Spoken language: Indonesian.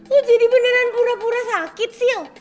lu jadi beneran pura pura sakit sil